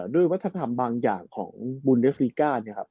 ด้วยวัฒนธรรมบางอย่างของบูนเดสรีก้า